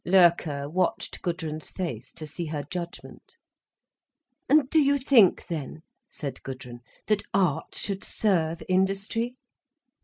Loerke watched Gudrun's face, to see her judgment. "And do you think then," said Gudrun, "that art should serve industry?"